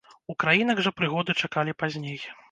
Украінак жа прыгоды чакалі пазней.